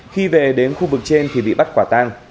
khi về đến khu vực trên thì bị bắt quả tang